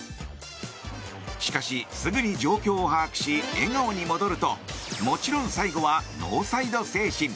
しかし、すぐに状況を把握し笑顔に戻るともちろん最後はノーサイド精神。